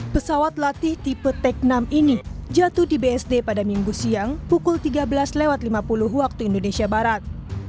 pesawat latih tipe tech enam ini jatuh di bsd pada minggu siang pukul tiga belas lima puluh waktu indonesia barat